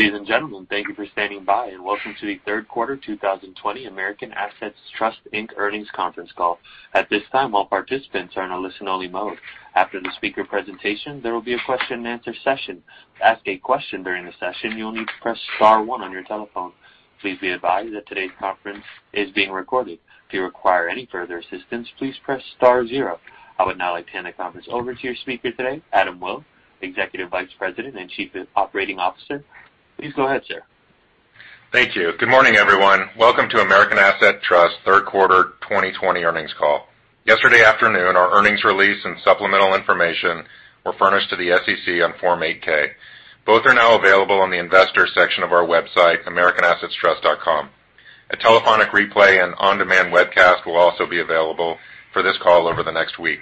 Ladies and gentlemen, thank you for standing by, and welcome to the Q3 2020 American Assets Trust Inc. Earnings Conference Call. At this time, all participants are in a listen-only mode. After the speaker presentation, there will be a question-and-answer session. To ask a question during the session, you will need to press *1 on your telephone. Please be advised that today's conference is being recorded. If you require any further assistance, please press *0. I would now like to hand the conference over to your speaker today, Adam Wyll, Executive Vice President and Chief Operating Officer. Please go ahead, sir. Thank you. Good morning, everyone. Welcome to American Assets Trust Q3 2020 Earnings Call. Yesterday afternoon, our earnings release and supplemental information were furnished to the SEC on Form 8-K. Both are now available on the Investor section of our website, americanassetstrust.com. A telephonic replay and on-demand webcast will also be available for this call over the next week.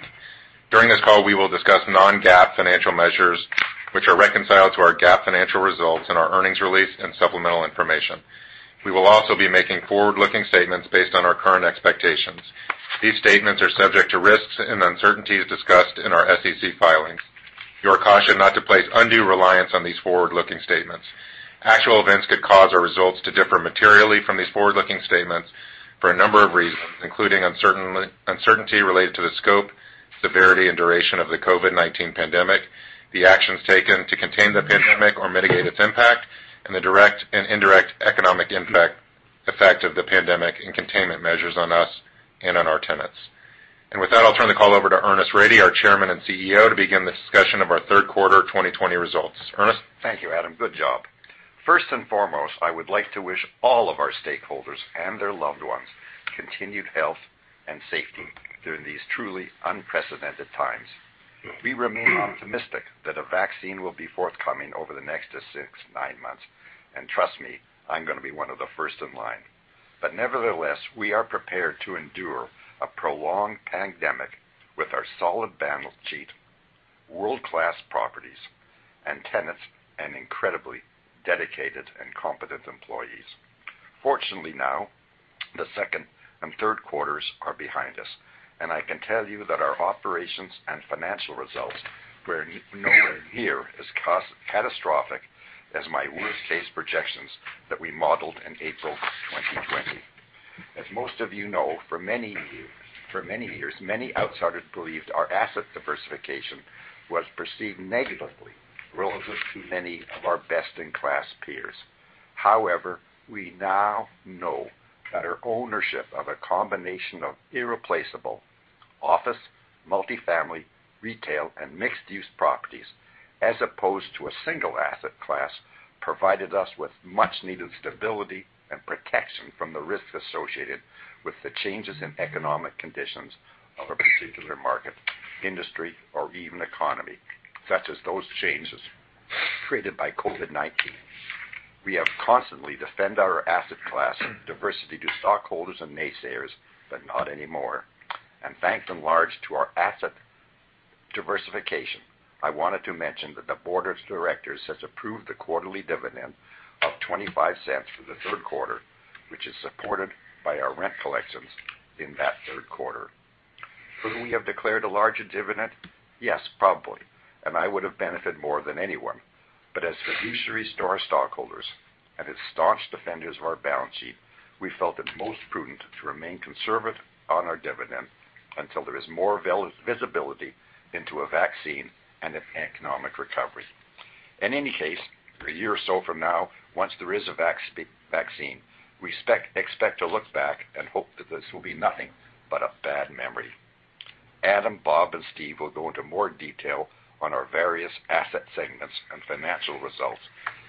During this call, we will discuss non-GAAP financial measures which are reconciled to our GAAP financial results in our earnings release and supplemental information. We will also be making forward-looking statements based on our current expectations. These statements are subject to risks and uncertainties discussed in our SEC filings. You are cautioned not to place undue reliance on these forward-looking statements. Actual events could cause our results to differ materially from these forward-looking statements for a number of reasons, including uncertainty related to the scope, severity, and duration of the COVID-19 pandemic, the actions taken to contain the pandemic or mitigate its impact, and the direct and indirect economic effect of the pandemic and containment measures on us and on our tenants. With that, I'll turn the call over to Ernest Rady, our Chairman and CEO, to begin the discussion of our Q3 2020 results. Ernest? Thank you, Adam. Good job. First and foremost, I would like to wish all of our stakeholders and their loved ones continued health and safety during these truly unprecedented times. We remain optimistic that a vaccine will be forthcoming over the next six to nine months. Trust me, I'm going to be one of the first in line. Nevertheless, we are prepared to endure a prolonged pandemic with our solid balance sheet, world-class properties and tenants, and incredibly dedicated and competent employees. Fortunately, now the Q2 and Q3 are behind us. I can tell you that our operations and financial results were nowhere near as catastrophic as my worst-case projections that we modeled in April 2020. As most of you know, for many years, many outsiders believed our asset diversification was perceived negatively relative to many of our best-in-class peers. However, we now know that our ownership of a combination of irreplaceable office, multi-family, retail, and mixed-use properties, as opposed to a single asset class, provided us with much needed stability and protection from the risks associated with the changes in economic conditions of a particular market, industry, or even economy, such as those changes created by COVID-19. We have constantly defended our asset class diversity to stockholders and naysayers, but not anymore. Thanks in large to our asset diversification, I wanted to mention that the board of directors has approved the quarterly dividend of $0.25 for the Q3, which is supported by our rent collections in that Q3. Could we have declared a larger dividend? Yes, probably, and I would have benefited more than anyone. As fiduciaries to our stockholders and as staunch defenders of our balance sheet, we felt it most prudent to remain conservative on our dividend until there is more visibility into a vaccine and an economic recovery. In any case, a year or so from now, once there is a vaccine, we expect to look back and hope that this will be nothing but a bad memory. Adam, Bob, and Steve will go into more detail on our various asset segments and financial results,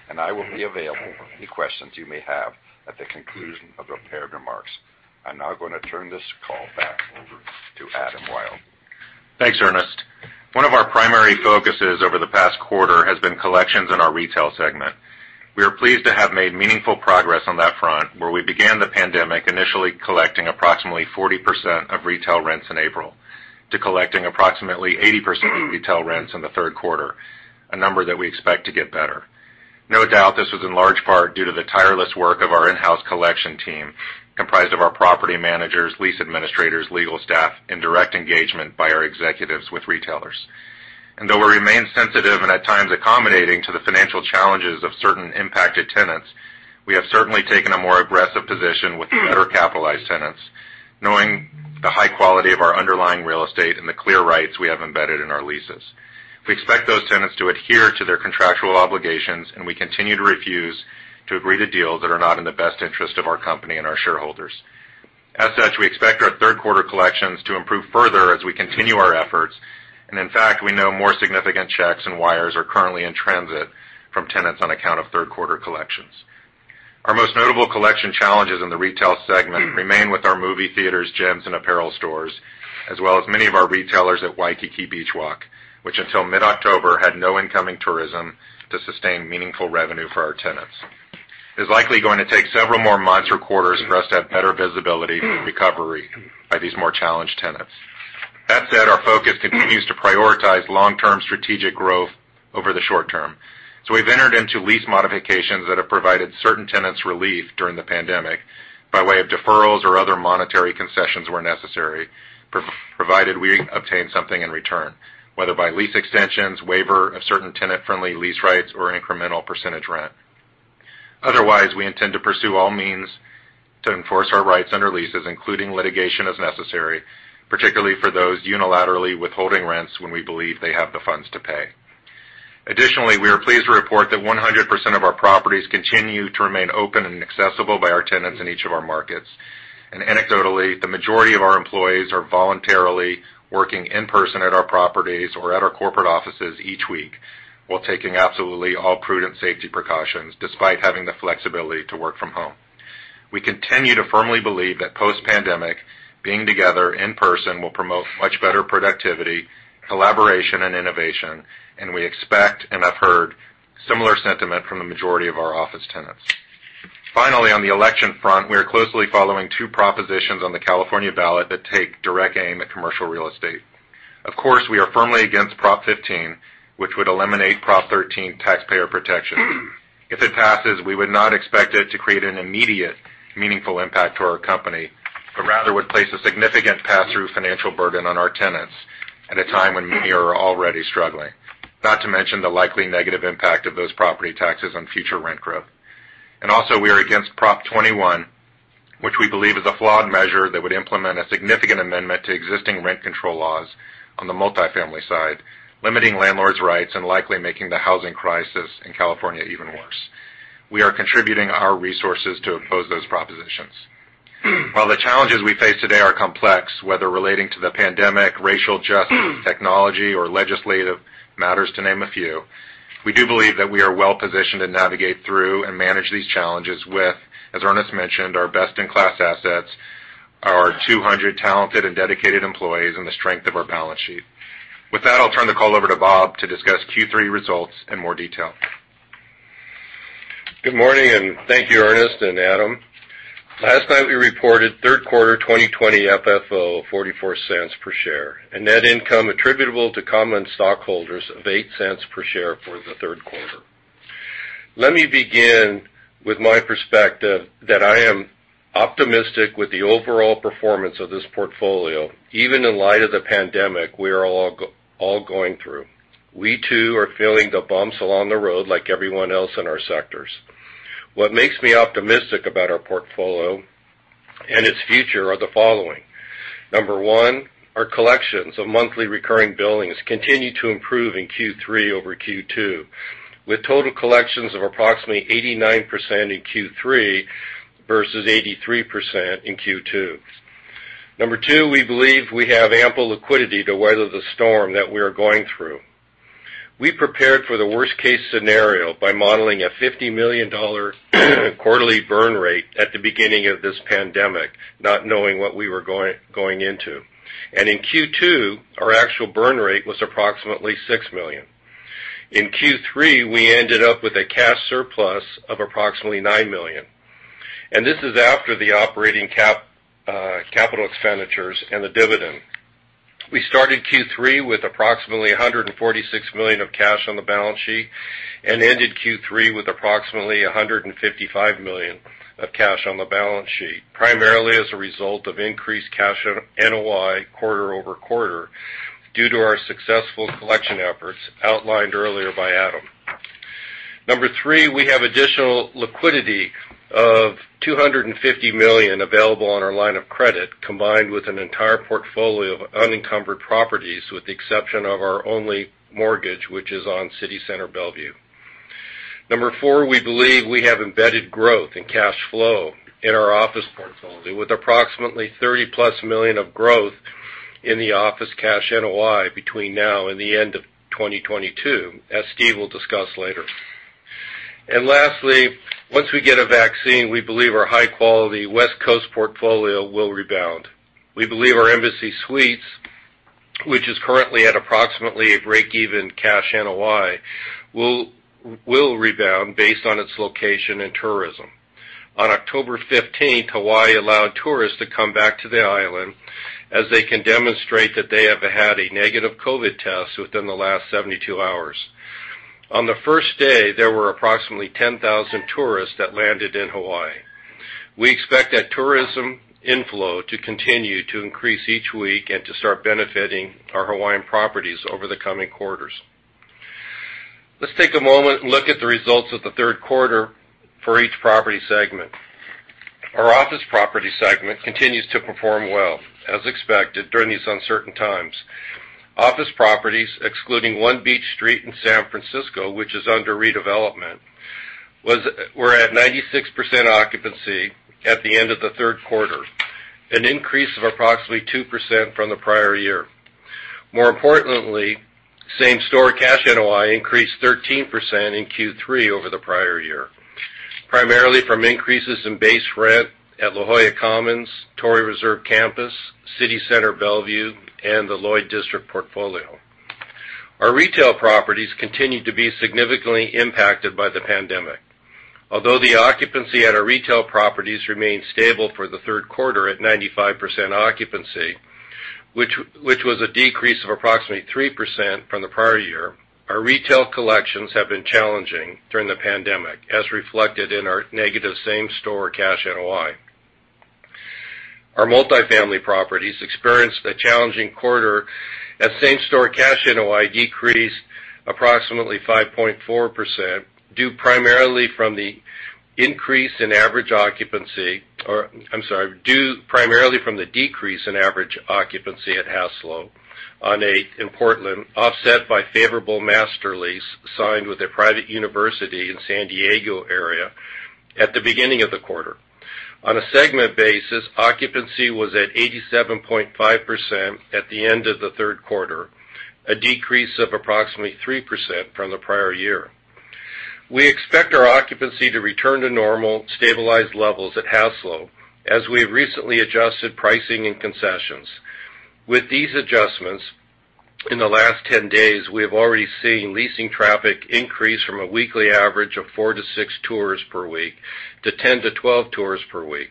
and I will be available for any questions you may have at the conclusion of their prepared remarks. I'm now going to turn this call back over to Adam Wyll. Thanks, Ernest. One of our primary focuses over the past quarter has been collections in our retail segment. We are pleased to have made meaningful progress on that front, where we began the pandemic initially collecting approximately 40% of retail rents in April to collecting approximately 80% of retail rents in the Q3, a number that we expect to get better. No doubt this was in large part due to the tireless work of our in-house collection team, comprised of our property managers, lease administrators, legal staff, and direct engagement by our executives with retailers. Though we remain sensitive and at times accommodating to the financial challenges of certain impacted tenants, we have certainly taken a more aggressive position with better-capitalized tenants, knowing the high quality of our underlying real estate and the clear rights we have embedded in our leases. We expect those tenants to adhere to their contractual obligations, and we continue to refuse to agree to deals that are not in the best interest of our company and our shareholders. As such, we expect our Q3 collections to improve further as we continue our efforts. In fact, we know more significant checks and wires are currently in transit from tenants on account of Q3 collections. Our most notable collection challenges in the retail segment remain with our movie theaters, gyms, and apparel stores, as well as many of our retailers at Waikiki Beach Walk, which until mid-October had no incoming tourism to sustain meaningful revenue for our tenants. It's likely going to take several more months or quarters for us to have better visibility of recovery by these more challenged tenants. That said, our focus continues to prioritize long-term strategic growth over the short term. We've entered into lease modifications that have provided certain tenants relief during the pandemic. By way of deferrals or other monetary concessions where necessary, provided we obtain something in return, whether by lease extensions, waiver of certain tenant-friendly lease rights, or incremental percentage rent. Otherwise, we intend to pursue all means to enforce our rights under leases, including litigation as necessary, particularly for those unilaterally withholding rents when we believe they have the funds to pay. Additionally, we are pleased to report that 100% of our properties continue to remain open and accessible by our tenants in each of our markets. Anecdotally, the majority of our employees are voluntarily working in person at our properties or at our corporate offices each week while taking absolutely all prudent safety precautions despite having the flexibility to work from home. We continue to firmly believe that post-pandemic, being together in person will promote much better productivity, collaboration, and innovation, and we expect and have heard similar sentiment from the majority of our office tenants. Finally, on the election front, we are closely following two propositions on the California ballot that take direct aim at commercial real estate. Of course, we are firmly against Prop 15, which would eliminate Prop 13 taxpayer protection. If it passes, we would not expect it to create an immediate meaningful impact to our company, but rather would place a significant pass-through financial burden on our tenants at a time when many are already struggling. Not to mention the likely negative impact of those property taxes on future rent growth. Also, we are against Prop 21, which we believe is a flawed measure that would implement a significant amendment to existing rent control laws on the multifamily side, limiting landlords' rights and likely making the housing crisis in California even worse. We are contributing our resources to oppose those propositions. While the challenges we face today are complex, whether relating to the pandemic, racial justice, technology, or legislative matters, to name a few, we do believe that we are well-positioned to navigate through and manage these challenges with, as Ernest mentioned, our best-in-class assets, our 200 talented and dedicated employees, and the strength of our balance sheet. With that, I'll turn the call over to Bob to discuss Q3 results in more detail. Good morning, thank you, Ernest and Adam. Last night, we reported Q3 2020 FFO of $0.44 per share and net income attributable to common stockholders of $0.08 per share for the Q3. Let me begin with my perspective that I am optimistic with the overall performance of this portfolio, even in light of the pandemic we are all going through. We, too, are feeling the bumps along the road like everyone else in our sectors. What makes me optimistic about our portfolio and its future are the following. Number 1, our collections of monthly recurring billings continue to improve in Q3 over Q2, with total collections of approximately 89% in Q3 versus 83% in Q2. Number 2, we believe we have ample liquidity to weather the storm that we are going through. We prepared for the worst-case scenario by modeling a $50 million quarterly burn rate at the beginning of this pandemic, not knowing what we were going into. In Q2, our actual burn rate was approximately $6 million. In Q3, we ended up with a cash surplus of approximately $9 million. This is after the operating capital expenditures and the dividend. We started Q3 with approximately $146 million of cash on the balance sheet and ended Q3 with approximately $155 million of cash on the balance sheet, primarily as a result of increased cash NOI quarter-over-quarter due to our successful collection efforts outlined earlier by Adam. Number 3, we have additional liquidity of $250 million available on our line of credit, combined with an entire portfolio of unencumbered properties, with the exception of our only mortgage, which is on City Center Bellevue. Number 4, we believe we have embedded growth in cash flow in our office portfolio, with approximately $30-plus million of growth in the office cash NOI between now and the end of 2022, as Steve will discuss later. Lastly, once we get a vaccine, we believe our high-quality West Coast portfolio will rebound. We believe our Embassy Suites, which is currently at approximately a break-even cash NOI, will rebound based on its location and tourism. On October 15th, Hawaii allowed tourists to come back to the island as they can demonstrate that they have had a negative COVID test within the last 72 hours. On the first day, there were approximately 10,000 tourists that landed in Hawaii. We expect that tourism inflow to continue to increase each week and to start benefiting our Hawaiian properties over the coming quarters. Let's take a moment and look at the results of the Q3 for each property segment. Our office property segment continues to perform well, as expected during these uncertain times. Office properties, excluding One Beach Street in San Francisco, which is under redevelopment, were at 96% occupancy at the end of the Q3, an increase of approximately 2% from the prior year. More importantly, same-store cash NOI increased 13% in Q3 over the prior year, primarily from increases in base rent at La Jolla Commons, Torrey Reserve Campus, City Center Bellevue, and the Lloyd District portfolio. Our retail properties continued to be significantly impacted by the pandemic. Although the occupancy at our retail properties remained stable for the Q3 at 95% occupancy, which was a decrease of approximately 3% from the prior year. Our retail collections have been challenging during the pandemic, as reflected in our negative same-store cash NOI. Our multifamily properties experienced a challenging quarter as same-store cash NOI decreased approximately 5.4%, due primarily from the decrease in average occupancy at Hassalo on Eighth in Portland, offset by favorable master lease signed with a private university in San Diego area at the beginning of the quarter. On a segment basis, occupancy was at 87.5% at the end of the Q3, a decrease of approximately 3% from the prior year. We expect our occupancy to return to normal, stabilized levels at Hassalo, as we have recently adjusted pricing and concessions. With these adjustments, in the last 10 days, we have already seen leasing traffic increase from a weekly average of 4-6 tours per week to 10-12 tours per week.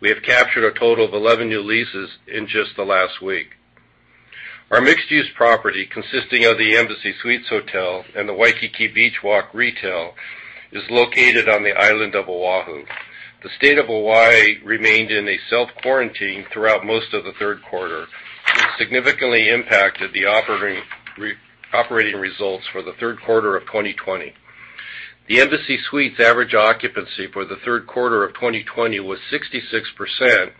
We have captured a total of 11 new leases in just the last week. Our mixed-use property, consisting of the Embassy Suites Hotel and the Waikiki Beach Walk retail, is located on the island of Oahu. The state of Hawaii remained in a self-quarantine throughout most of the Q3, which significantly impacted the operating results for the Q3 of 2020. The Embassy Suites average occupancy for the Q3 of 2020 was 66%,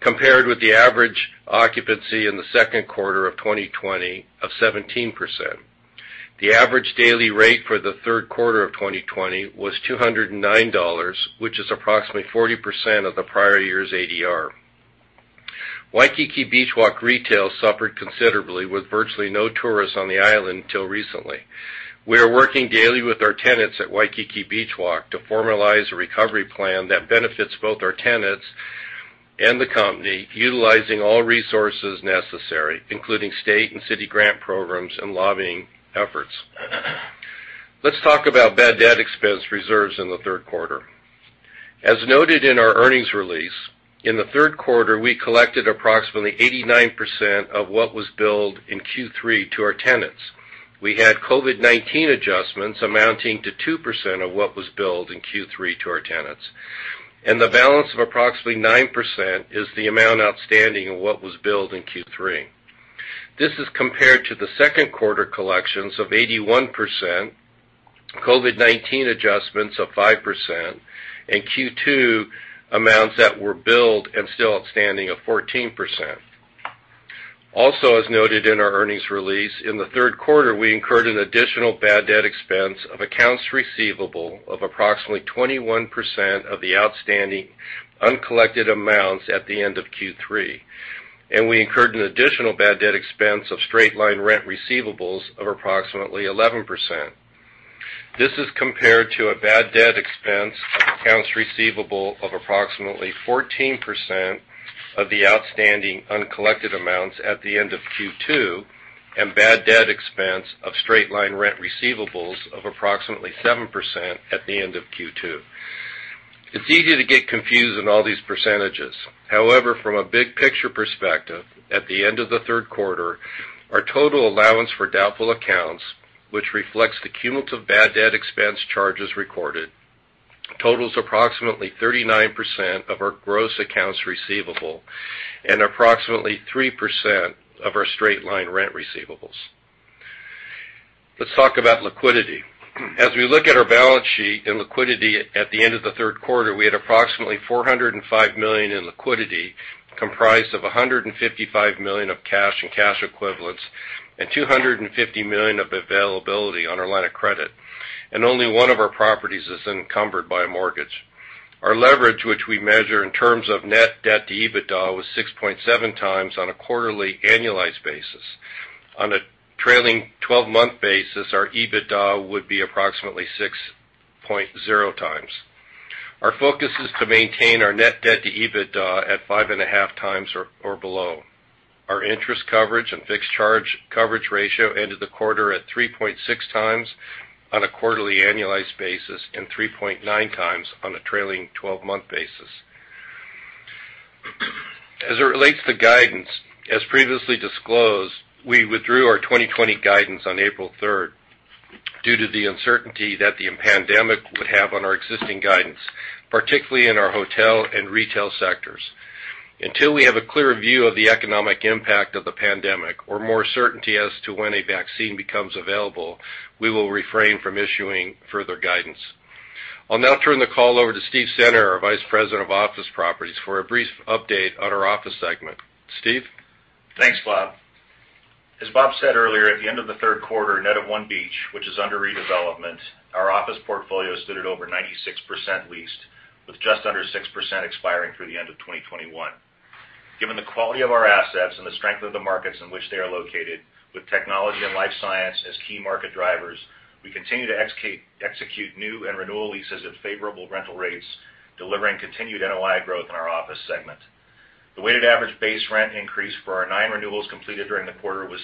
compared with the average occupancy in the Q2 of 2020 of 17%. The average daily rate for the Q3 of 2020 was $209, which is approximately 40% of the prior year's ADR. Waikiki Beach Walk retail suffered considerably with virtually no tourists on the island until recently. We are working daily with our tenants at Waikiki Beach Walk to formalize a recovery plan that benefits both our tenants and the company, utilizing all resources necessary, including state and city grant programs and lobbying efforts. Let's talk about bad debt expense reserves in the Q3. As noted in our earnings release, in the Q3, we collected approximately 89% of what was billed in Q3 to our tenants. We had COVID-19 adjustments amounting to 2% of what was billed in Q3 to our tenants. The balance of approximately 9% is the amount outstanding of what was billed in Q3. This is compared to the Q2 collections of 81%, COVID-19 adjustments of 5%, and Q2 amounts that were billed and still outstanding of 14%. As noted in our earnings release, in the Q3, we incurred an additional bad debt expense of accounts receivable of approximately 21% of the outstanding uncollected amounts at the end of Q3. We incurred an additional bad debt expense of straight-line rent receivables of approximately 11%. This is compared to a bad debt expense of accounts receivable of approximately 14% of the outstanding uncollected amounts at the end of Q2, and bad debt expense of straight-line rent receivables of approximately 7% at the end of Q2. It's easy to get confused in all these percentages. From a big-picture perspective, at the end of the Q3, our total allowance for doubtful accounts, which reflects the cumulative bad debt expense charges recorded, totals approximately 39% of our gross accounts receivable and approximately 3% of our straight-line rent receivables. Let's talk about liquidity. As we look at our balance sheet and liquidity at the end of the Q3, we had approximately $405 million in liquidity, comprised of $155 million of cash and cash equivalents and $250 million of availability on our line of credit, and only one of our properties is encumbered by a mortgage. Our leverage, which we measure in terms of net debt to EBITDA, was 6.7x on a quarterly annualized basis. On a trailing 12-month basis, our EBITDA would be approximately 6.0x. Our focus is to maintain our net debt to EBITDA at 5.5x or below. Our interest coverage and fixed charge coverage ratio ended the quarter at 3.6x on a quarterly annualized basis and 3.9x on a trailing 12-month basis. As it relates to guidance, as previously disclosed, we withdrew our 2020 guidance on April 3rd due to the uncertainty that the pandemic would have on our existing guidance, particularly in our hotel and retail sectors. Until we have a clear view of the economic impact of the pandemic or more certainty as to when a vaccine becomes available, we will refrain from issuing further guidance. I'll now turn the call over to Steve Center, our Vice President of Office Properties, for a brief update on our office segment. Steve? Thanks, Bob. As Bob said earlier, at the end of the Q3, net of One Beach, which is under redevelopment, our office portfolio stood at over 96% leased, with just under 6% expiring through the end of 2021. Given the quality of our assets and the strength of the markets in which they are located, with technology and life science as key market drivers, we continue to execute new and renewal leases at favorable rental rates, delivering continued NOI growth in our office segment. The weighted average base rent increase for our nine renewals completed during the quarter was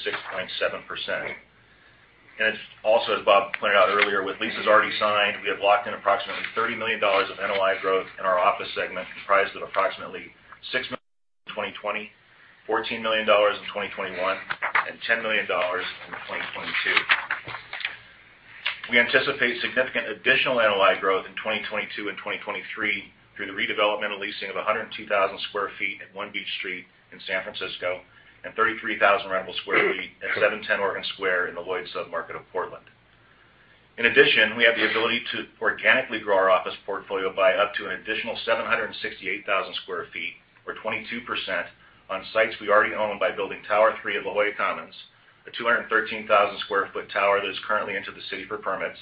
6.7%. As Bob pointed out earlier, with leases already signed, we have locked in approximately $30 million of NOI growth in our office segment, comprised of approximately $6 million in 2020, $14 million in 2021, and $10 million in 2022. We anticipate significant additional NOI growth in 2022 and 2023 through the redevelopment and leasing of 102,000 sq ft at One Beach Street in San Francisco and 33,000 rentable sq ft at 710 Oregon Square in the Lloyd sub-market of Portland. In addition, we have the ability to organically grow our office portfolio by up to an additional 768,000 sq ft, or 22%, on sites we already own by building Tower III of La Jolla Commons, a 213,000 sq ft tower that is currently into the city for permits,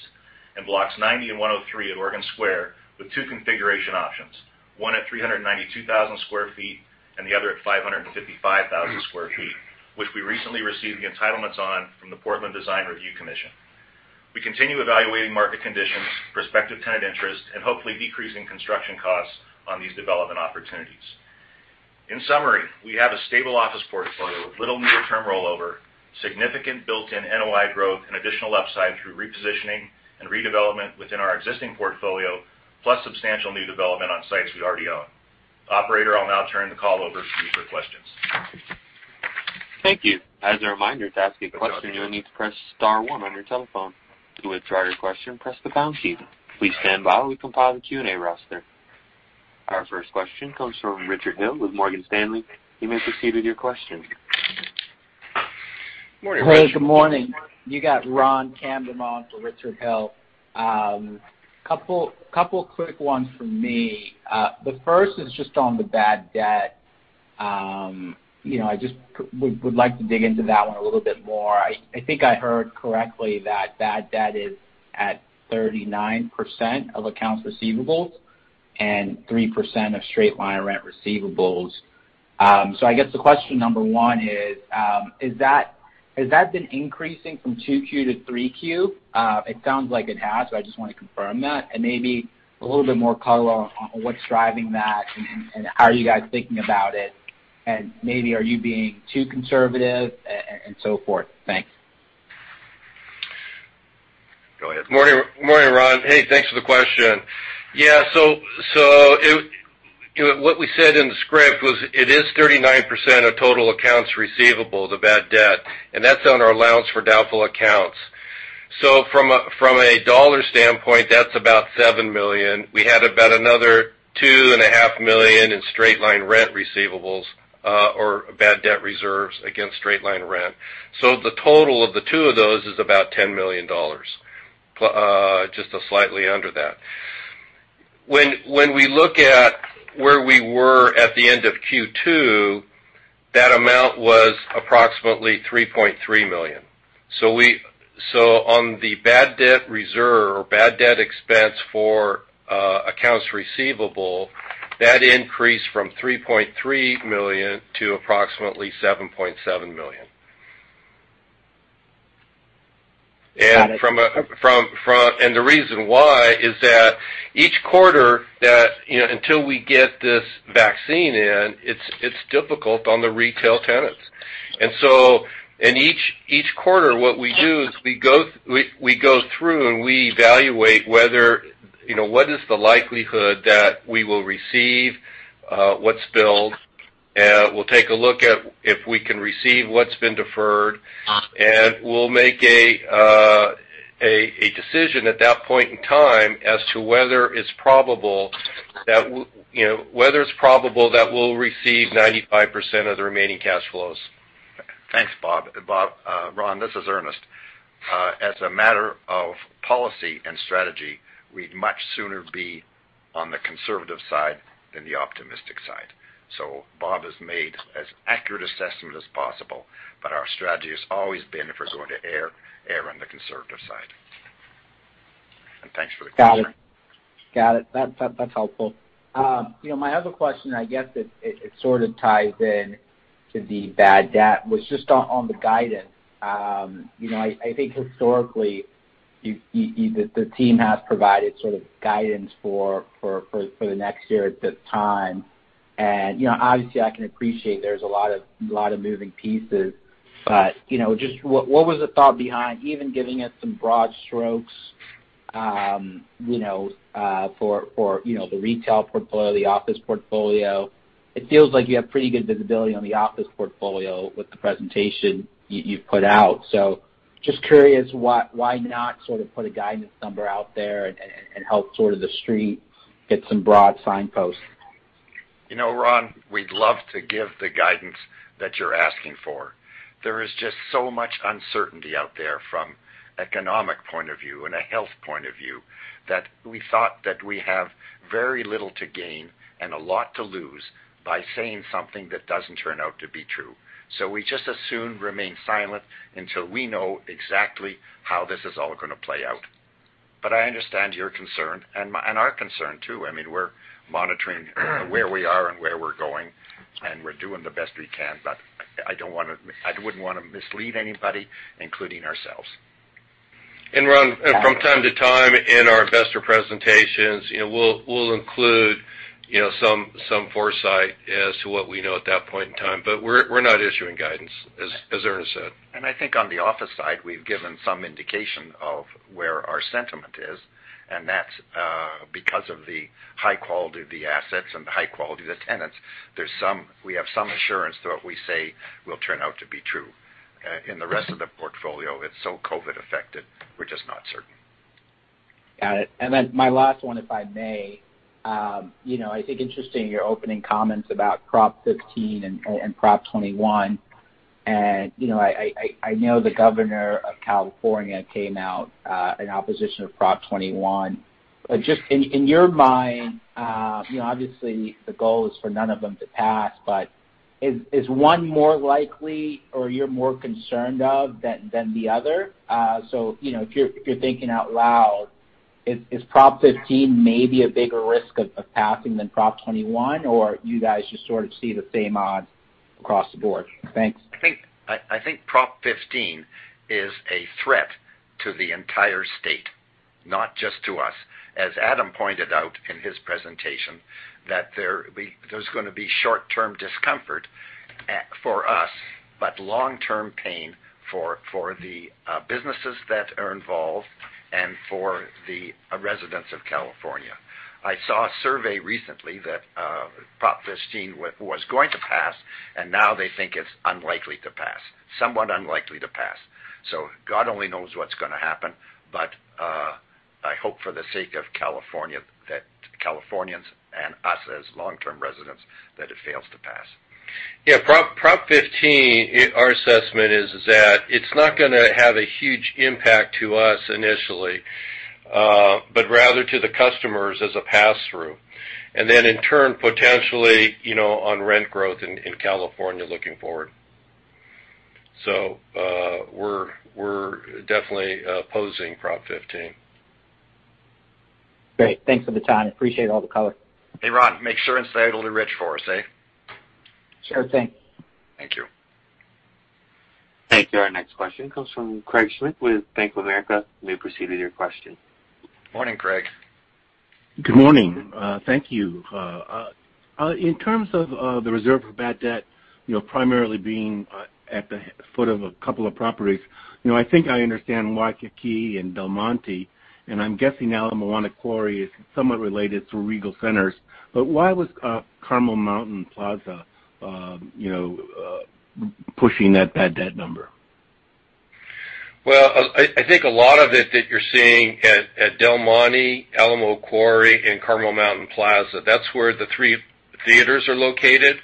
and Blocks 90 and 103 at Oregon Square with two configuration options, one at 392,000 sq ft and the other at 555,000 sq ft, which we recently received the entitlements on from the Portland Design Review Commission. We continue evaluating market conditions, prospective tenant interest, and hopefully decreasing construction costs on these development opportunities. In summary, we have a stable office portfolio with little near-term rollover, significant built-in NOI growth, and additional upside through repositioning and redevelopment within our existing portfolio, plus substantial new development on sites we already own. Operator, I'll now turn the call over to you for questions. Thank you. As a reminder, to ask a question, you will need to press *1 on your telephone. To withdraw your question, press the # key. Please stand by while we compile the Q&A roster. Our first question comes from Richard Hill with Morgan Stanley. You may proceed with your question. Morning. Hey, good morning. You got Ron Kamdem on for Richard Hill. Couple quick ones from me. The first is just on the bad debt. I just would like to dig into that one a little bit more. I think I heard correctly that bad debt is at 39% of accounts receivables and 3% of straight-line rent receivables. I guess the question number 1 is, has that been increasing from Q2 to Q3? It sounds like it has, but I just want to confirm that. Maybe a little bit more color on what's driving that and how are you guys thinking about it, and maybe are you being too conservative and so forth? Thanks. Go ahead. Morning, Ron. Hey, thanks for the question. What we said in the script was it is 39% of total accounts receivable, the bad debt, and that's on our allowance for doubtful accounts. From a dollar standpoint, that's about $7 million. We had about another $2.5 million in straight-line rent receivables or bad debt reserves against straight-line rent. The total of the two of those is about $10 million. Just slightly under that. When we look at where we were at the end of Q2, that amount was approximately $3.3 million. On the bad debt reserve or bad debt expense for accounts receivable, that increased from $3.3 million to approximately $7.7 million. The reason why is that each quarter, until we get this vaccine in, it's difficult on the retail tenants. Each quarter, what we do is we go through, and we evaluate what is the likelihood that we will receive what's billed. We'll take a look at if we can receive what's been deferred. We'll make a decision at that point in time as to whether it's probable that we'll receive 95% of the remaining cash flows. Thanks, Bob. Ron, this is Ernest. As a matter of policy and strategy, we'd much sooner be on the conservative side than the optimistic side. Bob has made as accurate assessment as possible, but our strategy has always been, if we're going to err on the conservative side. Thanks for the question. Got it. That's helpful. My other question, I guess it sort of ties in to the bad debt, was just on the guidance. I think historically, the team has provided sort of guidance for the next year at this time. Obviously, I can appreciate there's a lot of moving pieces, but just what was the thought behind even giving us some broad strokes for the retail portfolio, the office portfolio? It feels like you have pretty good visibility on the office portfolio with the presentation you've put out. Just curious why not sort of put a guidance number out there and help sort of the street get some broad signposts? Ron, we'd love to give the guidance that you're asking for. There is just so much uncertainty out there from economic point of view and a health point of view that we thought that we have very little to gain and a lot to lose by saying something that doesn't turn out to be true. We just as soon remain silent until we know exactly how this is all going to play out. I understand your concern and our concern, too. We're monitoring where we are and where we're going, and we're doing the best we can. I wouldn't want to mislead anybody, including ourselves. Ron, from time to time in our investor presentations, we'll include some foresight as to what we know at that point in time. We're not issuing guidance, as Ernest said. I think on the office side, we've given some indication of where our sentiment is, and that's because of the high quality of the assets and the high quality of the tenants. We have some assurance that what we say will turn out to be true. In the rest of the portfolio, it's so COVID affected, we're just not certain. Got it. My last one, if I may. I think interesting your opening comments about Prop 15 and Prop 21. I know the Governor of California came out in opposition of Prop 21. Just in your mind, obviously the goal is for none of them to pass, but is one more likely or you're more concerned of than the other? If you're thinking out loud, is Prop 15 maybe a bigger risk of passing than Prop 21, or you guys just sort of see the same odds across the board? Thanks. I think Prop 15 is a threat to the entire state, not just to us. As Adam pointed out in his presentation, that there's going to be short-term discomfort for us, but long-term pain for the businesses that are involved and for the residents of California. I saw a survey recently that Prop 15 was going to pass, and now they think it's unlikely to pass. Somewhat unlikely to pass. God only knows what's going to happen. I hope for the sake of California that Californians and us as long-term residents, that it fails to pass. Yeah, Prop 15, our assessment is that it's not gonna have a huge impact to us initially, but rather to the customers as a pass-through. In turn, potentially, on rent growth in California looking forward. We're definitely opposing Prop 15. Great. Thanks for the time. Appreciate all the color. Hey, Ron, make sure and say hello to Richard for us, eh? Sure thing. Thank you. Thank you. Our next question comes from Craig Schmidt with Bank of America. You may proceed with your question. Morning, Craig. Good morning. Thank you. In terms of the reserve for bad debt, primarily being at the foot of a couple of properties. I think I understand Waikiki and Del Monte, and I'm guessing now Alamo Quarry Market is somewhat related through Regal Cinemas. Why was Carmel Mountain Plaza pushing that bad debt number? Well, I think a lot of it that you're seeing at Del Monte, Alamo Quarry, and Carmel Mountain Plaza, that's where the three theaters are located.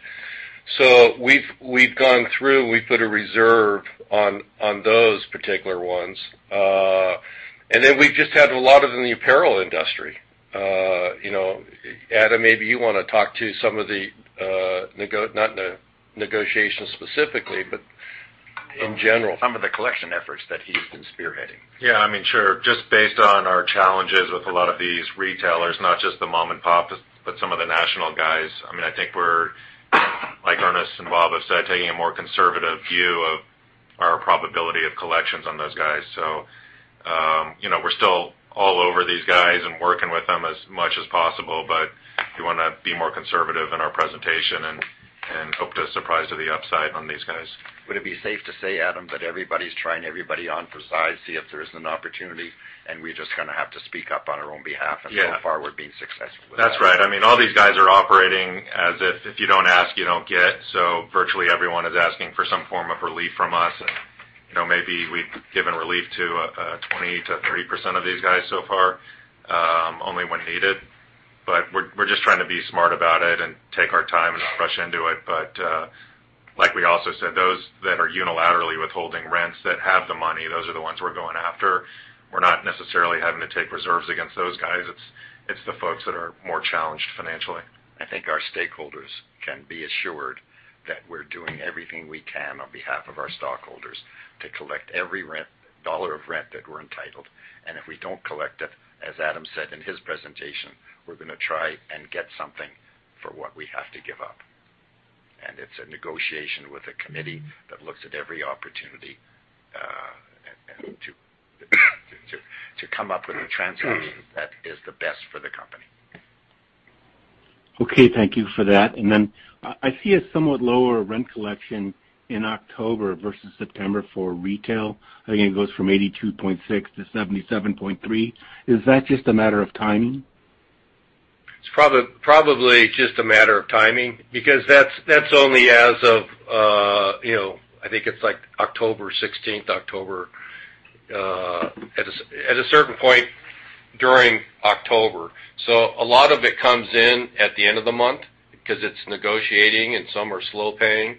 We've gone through, we put a reserve on those particular ones. We've just had a lot of in the apparel industry. Adam, maybe you want to talk to some of the, not the negotiations specifically, but in general. Some of the collection efforts that he's been spearheading. Yeah, sure. Just based on our challenges with a lot of these retailers, not just the mom and pop, but some of the national guys. I think we're, like Ernest and Bob have said, taking a more conservative view of our probability of collections on those guys. We're still all over these guys and working with them as much as possible, but we want to be more conservative in our presentation and hope to surprise to the upside on these guys. Would it be safe to say, Adam, that everybody's trying everybody on for size, see if there's an opportunity, and we just kind of have to speak up on our own behalf. Yeah So far, we're being successful with that? That's right. All these guys are operating as if you don't ask, you don't get. Virtually everyone is asking for some form of relief from us, and maybe we've given relief to 20%-30% of these guys so far, only when needed. We're just trying to be smart about it and take our time and not rush into it. Like we also said, those that are unilaterally withholding rents that have the money, those are the ones we're going after. We're not necessarily having to take reserves against those guys. It's the folks that are more challenged financially. I think our stakeholders can be assured that we're doing everything we can on behalf of our stockholders to collect every rent, dollar of rent that we're entitled. If we don't collect it, as Adam said in his presentation, we're going to try and get something for what we have to give up. It's a negotiation with a committee that looks at every opportunity, and to come up with a transaction that is the best for the company. Okay. Thank you for that. I see a somewhat lower rent collection in October versus September for retail. I think it goes from 82.6% to 77.3%. Is that just a matter of timing? It's probably just a matter of timing because that's only as of, I think it's like October 16th, at a certain point during October. A lot of it comes in at the end of the month because it's negotiating and some are slow paying,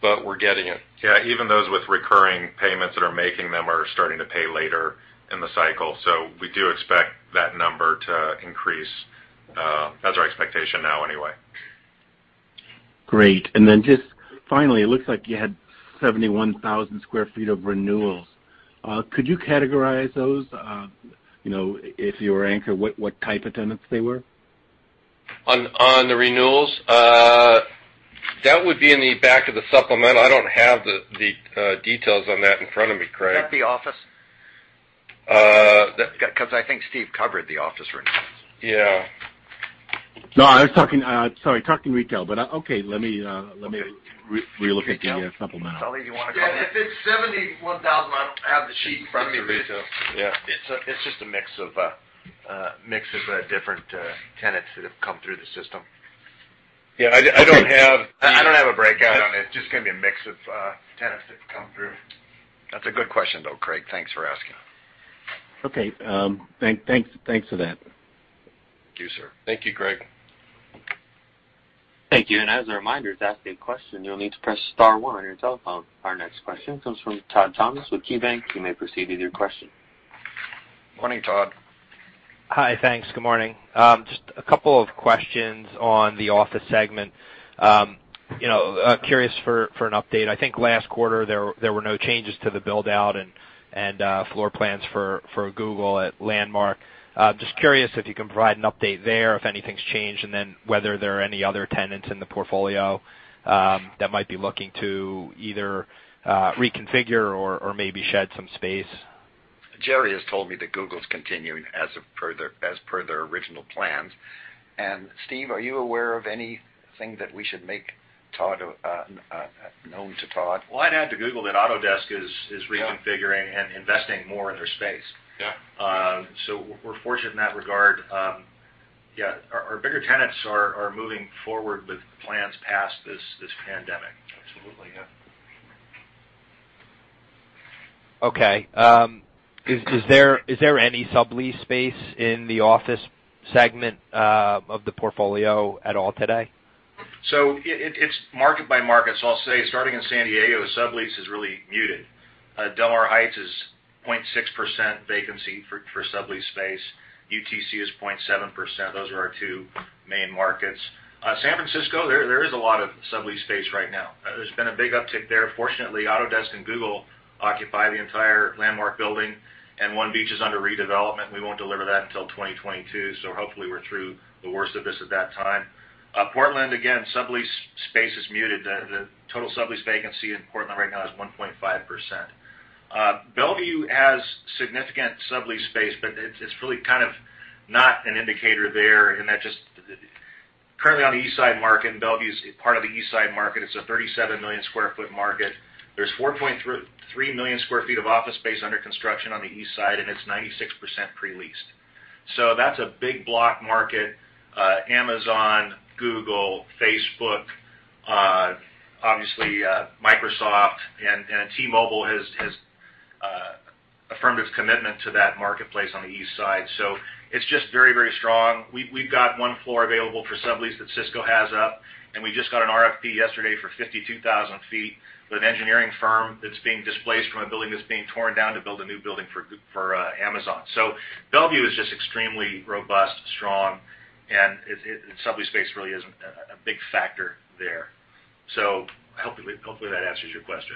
but we're getting it. Yeah, even those with recurring payments that are making them are starting to pay later in the cycle. We do expect that number to increase. That's our expectation now anyway. Great. Then just finally, it looks like you had 71,000 sq ft of renewals. Could you categorize those? If you were anchor, what type of tenants they were? On the renewals? That would be in the back of the supplemental. I don't have the details on that in front of me, Craig. Is that the office? I think Steve covered the office rents. Yeah. No, I was talking retail. Okay, let me relook at the supplemental. Do you want to comment? Yeah, if it's 71,000, I don't have the sheet in front of me. It's retail. Yeah. It's just a mix of different tenants that have come through the system. I don't have a breakout on it. It's just going to be a mix of tenants that have come through. That's a good question, though, Craig. Thanks for asking. Okay. Thanks for that. Thank you, sir. Thank you, Craig. Thank you. As a reminder, to ask a question, you'll need to press *1 on your telephone. Our next question comes from Todd Thomas with KeyBanc Capital Markets. You may proceed with your question. Morning, Todd. Hi. Thanks. Good morning. Just a couple of questions on the office segment. Curious for an update. I think last quarter, there were no changes to the build-out and floor plans for Google at Landmark. Just curious if you can provide an update there, if anything's changed, and then whether there are any other tenants in the portfolio that might be looking to either reconfigure or maybe shed some space. Jerry has told me that Google's continuing as per their original plans. Steve, are you aware of anything that we should make known to Todd? Well, I'd add to Google that Autodesk is reconfiguring and investing more in their space. We're fortunate in that regard. Yeah, our bigger tenants are moving forward with plans past this pandemic. Absolutely, yeah. Okay. Is there any sublease space in the office segment of the portfolio at all today? It's market by market. I'll say, starting in San Diego, sublease is really muted. Del Mar Heights is 0.6% vacancy for sublease space. UTC is 0.7%. Those are our two main markets. San Francisco, there is a lot of sublease space right now. There's been a big uptick there. Fortunately, Autodesk and Google occupy the entire Landmark building, and One Beach is under redevelopment. We won't deliver that until 2022, so hopefully we're through the worst of this at that time. Portland, again, sublease space is muted. The total sublease vacancy in Portland right now is 1.5%. Bellevue has significant sublease space, but it's really kind of not an indicator there in that just currently on the Eastside market, and Bellevue's part of the Eastside market. It's a 37-million-square-foot market. There's 4.3 million sq ft of office space under construction on the Eastside. It's 96% pre-leased. That's a big block market. Amazon, Google, Facebook, obviously Microsoft, and T-Mobile has affirmative commitment to that marketplace on the Eastside. It's just very strong. We've got one floor available for sublease that Cisco has up. We just got an RFP yesterday for 52,000 sq ft with an engineering firm that's being displaced from a building that's being torn down to build a new building for Amazon. Bellevue is just extremely robust, strong, and sublease space really isn't a big factor there. Hopefully that answers your question.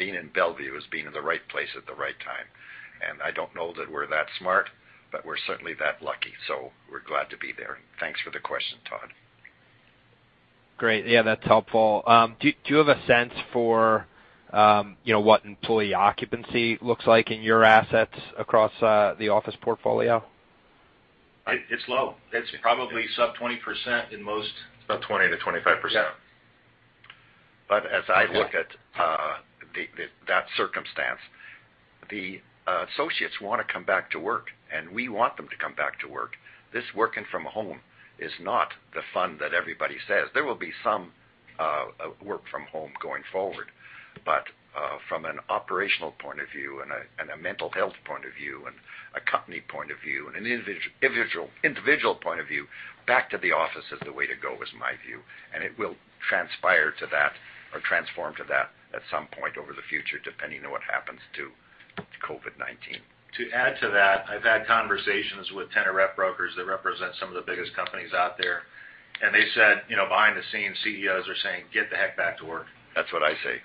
Being in Bellevue is being in the right place at the right time, and I don't know that we're that smart, but we're certainly that lucky. We're glad to be there. Thanks for the question, Todd. Great. That's helpful. Do you have a sense for what employee occupancy looks like in your assets across the office portfolio? It's low. It's probably sub 20%. It's about 20%-25%. Yeah. As I look at that circumstance, the associates want to come back to work, and we want them to come back to work. This working from home is not the fun that everybody says. There will be some work from home going forward. From an operational point of view and a mental health point of view and a company point of view and an individual point of view, back to the office is the way to go, is my view, and it will transpire to that or transform to that at some point over the future, depending on what happens to COVID-19. To add to that, I've had conversations with tenant rep brokers that represent some of the biggest companies out there, and they said, behind the scenes, CEOs are saying, "Get the heck back to work. That's what I say.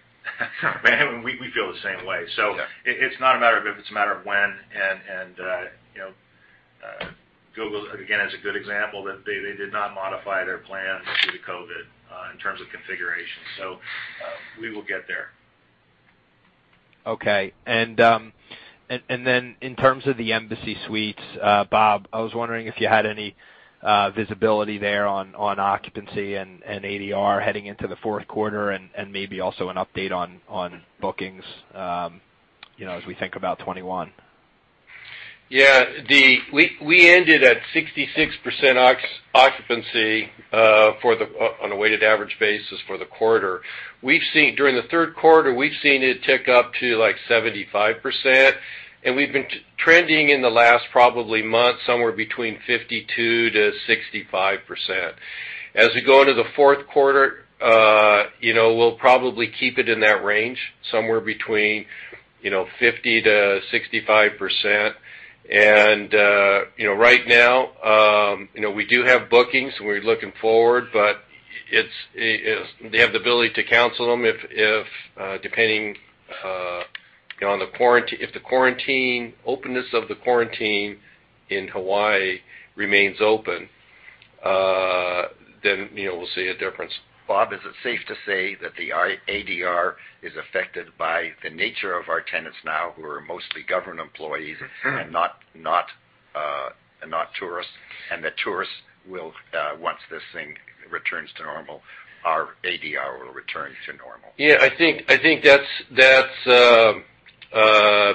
Man, we feel the same way. Yeah. It's not a matter of if, it's a matter of when. Google, again, is a good example that they did not modify their plans due to COVID in terms of configuration. We will get there. Okay. Then in terms of the Embassy Suites, Bob, I was wondering if you had any visibility there on occupancy and ADR heading into the Q4, and maybe also an update on bookings as we think about 2021. Yeah. We ended at 66% occupancy on a weighted average basis for the quarter. During the Q3, we've seen it tick up to 75%, and we've been trending in the last probably month somewhere between 52%-65%. As we go into the Q4, we'll probably keep it in that range, somewhere between 50%-65%. Right now, we do have bookings, we're looking forward, but they have the ability to cancel them depending if the openness of the quarantine in Hawaii remains open, then we'll see a difference. Bob, is it safe to say that the ADR is affected by the nature of our tenants now, who are mostly government employees and not tourists, and that once this thing returns to normal, our ADR will return to normal? Yeah, I think that's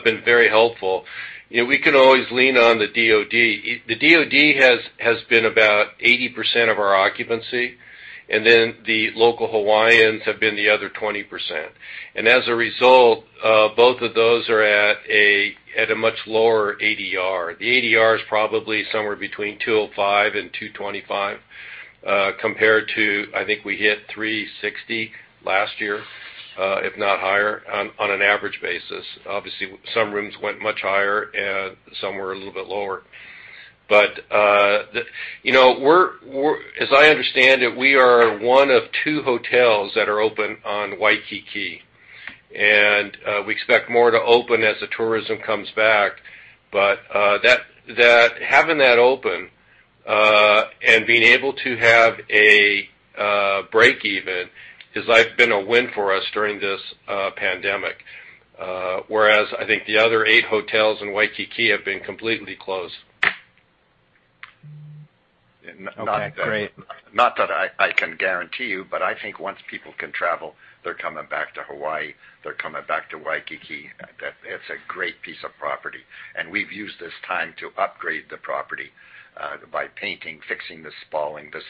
been very helpful. We can always lean on the DoD. The DoD has been about 80% of our occupancy, and then the local Hawaiians have been the other 20%. As a result, both of those are at a much lower ADR. The ADR is probably somewhere between $205 and $225, compared to, I think we hit $360 last year, if not higher, on an average basis. Obviously, some rooms went much higher and some were a little bit lower. As I understand it, we are one of two hotels that are open on Waikiki, and we expect more to open as the tourism comes back. Having that open, and being able to have a breakeven has been a win for us during this pandemic. Whereas I think the other eight hotels in Waikiki have been completely closed. Okay, great. Not that I can guarantee you, I think once people can travel, they're coming back to Hawaii, they're coming back to Waikiki. It's a great piece of property. We've used this time to upgrade the property, by painting, fixing the spalling, the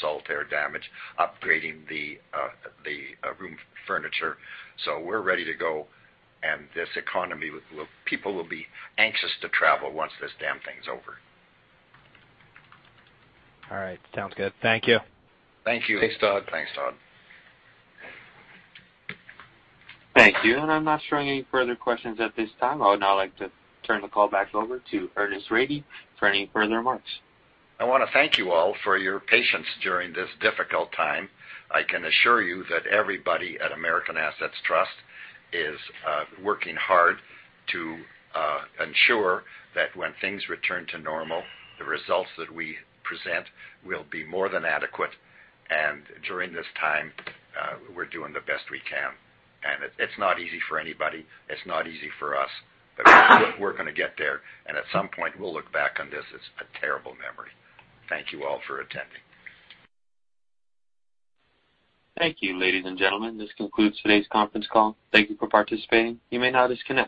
salt air damage, upgrading the room furniture. We're ready to go. This economy, people will be anxious to travel once this damn thing's over. All right, sounds good. Thank you. Thanks, Todd. Thanks, Todd. Thank you. I'm not showing any further questions at this time. I would now like to turn the call back over to Ernest Rady for any further remarks. I want to thank you all for your patience during this difficult time. I can assure you that everybody at American Assets Trust is working hard to ensure that when things return to normal, the results that we present will be more than adequate. During this time, we're doing the best we can. It's not easy for anybody. It's not easy for us, but we're going to get there. At some point, we'll look back on this as a terrible memory. Thank you all for attending. Thank you, ladies and gentlemen. This concludes today's conference call. Thank you for participating. You may now disconnect.